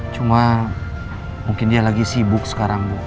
cuma mungkin dia lagi sibuk sekarang